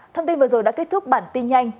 thông tin vừa rồi đã kết thúc bản tin nhanh